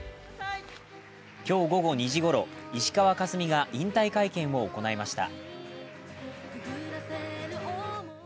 今日午後２時ごろ、石川佳純が引退会見を行いました。